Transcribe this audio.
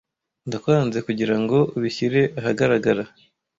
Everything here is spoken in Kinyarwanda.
Ndakwanze kugirango ubishyire ahagaragara.